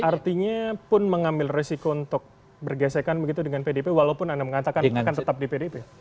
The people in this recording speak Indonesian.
artinya pun mengambil resiko untuk bergesekan begitu dengan pdip walaupun anda mengatakan akan tetap di pdip